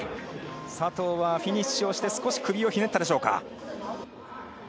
佐藤はフィニッシュをして少し首をひねったでしょうか。